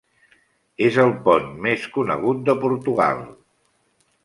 És el pont més conegut de Portugal.